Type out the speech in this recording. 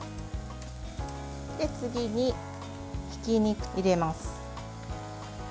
次にひき肉、入れます。